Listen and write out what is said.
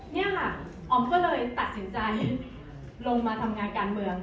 นี่ค่ะออมก็เลยตัดสินใจลงมาทำงานการเมือง